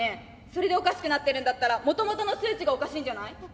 それでおかしくなってるんだったらもともとの数値がおかしいんじゃない？